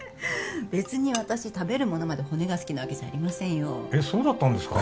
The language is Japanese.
別に私食べるものまで骨が好きなわけじゃありませんよえそうだったんですか？